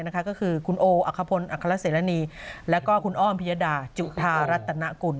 ก็คือคุณโออะคับลอัคพลัสเศรณีและคุณอ้อมพรียดาจุฮารัตน์ตะนะกุล